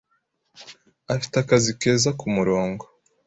Afite akazi keza kumurongo